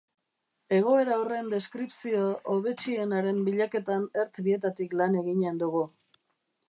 Egoera horren deskripzio hobetsienaren bilaketan ertz bietatik lan eginen dugu.